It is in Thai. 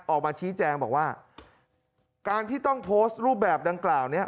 ออกมาชี้แจงบอกว่าการที่ต้องโพสต์รูปแบบดังกล่าวเนี่ย